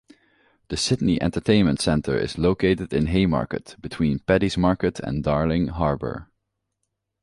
The Sydney Entertainment Centre is located in Haymarket, between Paddy's Market and Darling Harbour.